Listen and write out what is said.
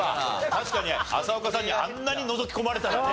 確かに浅丘さんにあんなにのぞき込まれたらね。